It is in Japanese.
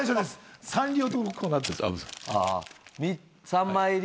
３枚入り。